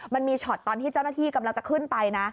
มันมีช็อตตอนที่เจ้าหน้าที่กำลังจะขึ้นไปนะ